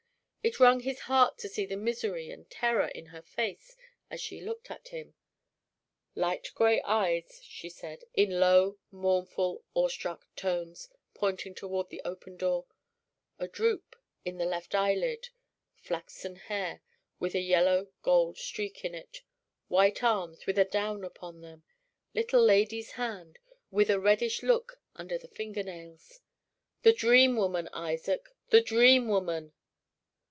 It wrung his heart to see the misery and terror in her face as she looked at him. "Light gray eyes," she said, in low, mournful, awe struck tones, pointing toward the open door; "a droop in the left eyelid; flaxen hair, with a gold yellow streak in it; white arms, with a down upon them; little lady's hand, with a reddish look under the finger nails The Dream Woman, Isaac, the Dream Woman!"